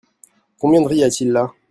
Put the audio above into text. Combien de riz y a-t-il là ?